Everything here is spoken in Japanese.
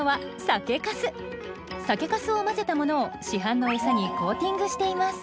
酒かすを混ぜたものを市販の餌にコーティングしています。